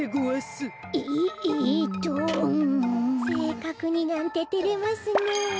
せいかくになんててれますねえ。